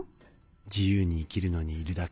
自由に生きるのにいるだけ。